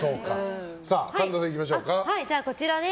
神田さん、いきましょうか。